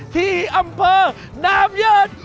ที่อำเภอนามยอด